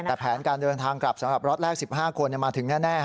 แต่แผนการเดินทางกลับสำหรับล็อตแรก๑๕คนมาถึงแน่